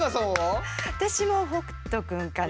私も北斗君かな。